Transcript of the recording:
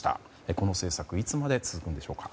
この政策いつまで続くんでしょうか。